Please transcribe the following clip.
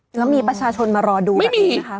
แล้วมีประชาชนมารอดูแบบนี้นะคะ